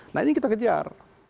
nah ini kita kejar